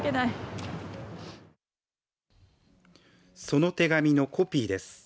その手紙のコピーです。